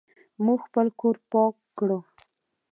موږ خپل کور پاک کړ.